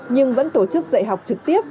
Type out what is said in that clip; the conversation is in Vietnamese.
nhưng vẫn tổ chức dạy học trực tiếp